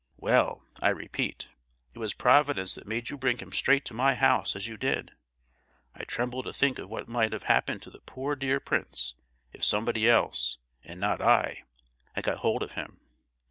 "Well, I repeat, it was Providence that made you bring him straight to my house as you did. I tremble to think of what might have happened to the poor dear prince if somebody else, and not I, had got hold of him!